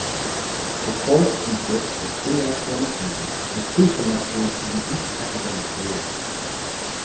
The course consists of three academic years with two semesters in each academic year.